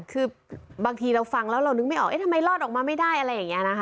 คือบางทีเราฟังแล้วเรานึกไม่ออกเอ๊ะทำไมรอดออกมาไม่ได้อะไรอย่างนี้นะคะ